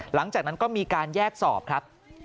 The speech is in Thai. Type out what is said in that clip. หลังจากนั้นก็มีการแยกสอบครับ